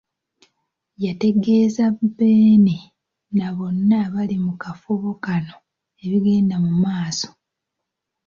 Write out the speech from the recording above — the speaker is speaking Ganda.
Yategeeza Bbeene na bonna abaali mu kafubo kano ebigenda mu maaso.